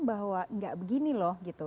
bahwa nggak begini loh gitu